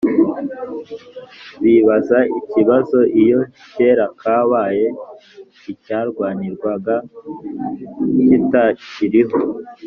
biba ikibazo iyo, kera kabaye icyarwanirwaga kitakiriho,